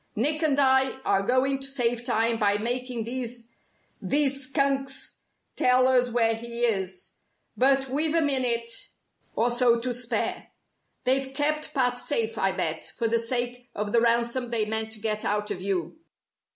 Nick and I are going to save time by making these these skunks tell us where he is. But we've a minute or so to spare. They've kept Pat safe, I bet, for the sake of the ransom they meant to get out of you.